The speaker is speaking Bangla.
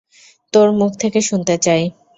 তোর মুখ থেকে শুনতে চাই।